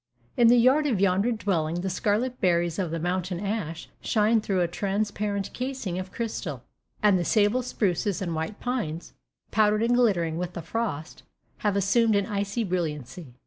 In the yard of yonder dwelling the scarlet berries of the mountain ash shine through a transparent casing of crystal, and the sable spruces and white pines, powdered and glittering with the frost, have assumed an icy brilliancy.